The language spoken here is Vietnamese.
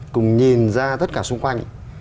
cùng nhìn ra tất cả xung quanh